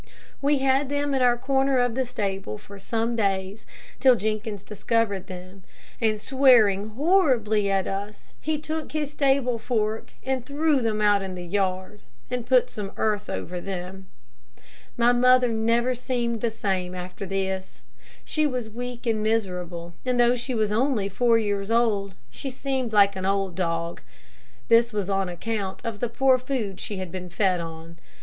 We had them in our corner of the stable for some days, till Jenkins discovered them, and swearing horribly at us, he took his stable fork and threw them out in the yard, and put some earth over them. My mother never seemed the same after this. She was weak and miserable, and though she was only four years old, she seemed like an old dog. This was on account of the poor food she had been fed on.